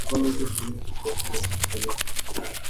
Rara vez la inversión puede ocurrir no asociada con el embarazo.